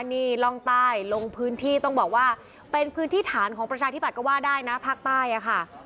นี่ร่องใต้ลงพื้นที่ต้องบอกว่าเป็นพื้นที่ฐานของประชาธิบัตย์ก็ว่าได้นะภาคใต้ค่ะ